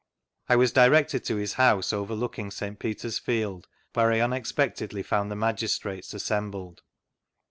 I was directed to his house overlooking St, Peter's field, where I unexpectedly found the magistrates assembled.'